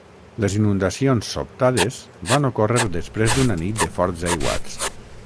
Les inundacions sobtades van ocórrer després d'una nit de forts aiguats.